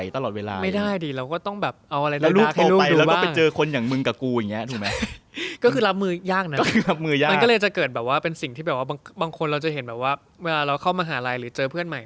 ทำไมเขาเป็นคนแบบนี้